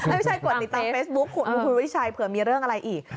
ไม่ใช่กดติดตามเฟซบุ๊กคุณวิชัยเผื่อมีเรื่องอะไรอีก